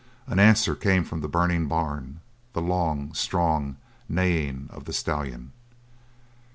An answer came from the burning barn the long, strong neighing of the stallion.